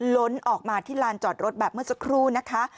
ล้นออกมาที่ลานจอดรถแบบเมื่อสักครู่นะคะ